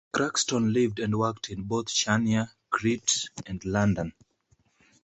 Craxton lived and worked in both Chania, Crete and London.